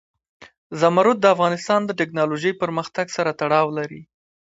زمرد د افغانستان د تکنالوژۍ پرمختګ سره تړاو لري.